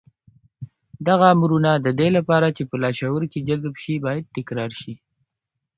دغه امرونه د دې لپاره چې په لاشعور کې جذب شي بايد تکرار شي.